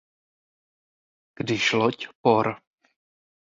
Když loď por.